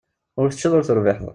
Ur teččiḍ ur terbiḥeḍ.